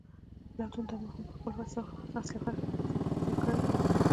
اپلاتون دا مفهوم په خپله فلسفه کې ځای کړی دی